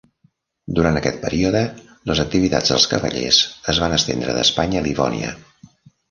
Durant aquest període, les activitats dels Cavallers es van estendre d'Espanya a Livònia.